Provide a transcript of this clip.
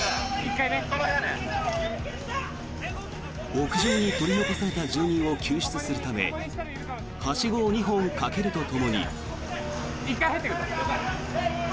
屋上に取り残された住人を救出するためはしごを２本かけるとともに。